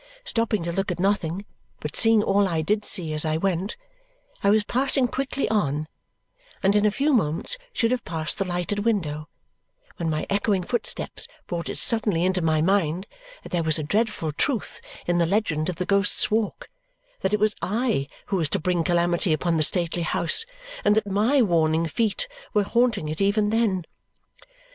Stopping to look at nothing, but seeing all I did see as I went, I was passing quickly on, and in a few moments should have passed the lighted window, when my echoing footsteps brought it suddenly into my mind that there was a dreadful truth in the legend of the Ghost's Walk, that it was I who was to bring calamity upon the stately house and that my warning feet were haunting it even then.